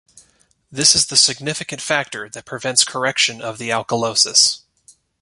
This is the significant factor that prevents correction of the alkalosis.